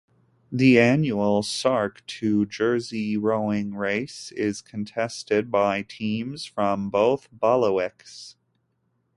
The annual Sark to Jersey Rowing Race is contested by teams from both bailiwicks.